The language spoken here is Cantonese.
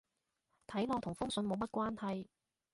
睇落同封信冇乜關係